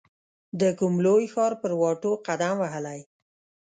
د کوم لوی ښار پر واټو قدم وهلی